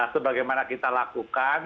sebagaimana kita lakukan